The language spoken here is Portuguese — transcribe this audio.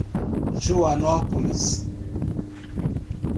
Joanópolis